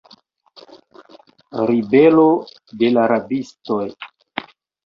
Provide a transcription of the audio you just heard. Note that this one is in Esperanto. Ribelo de la rabistoj.